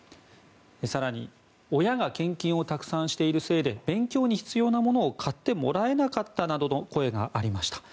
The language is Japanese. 更に親が献金をたくさんしているせいで勉強に必要なものを買ってもらえなかったなどの声がありました。